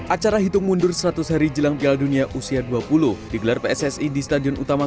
acara hitung mundur seratus hari jelang piala dunia usia dua puluh digelar pssi di stadion utama